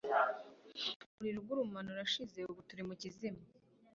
umuriro ugurumana urashize ubu turi mu kizima